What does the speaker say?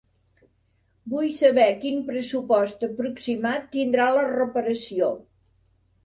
Vull saber quin pressupost aproximat tindrà la reparació.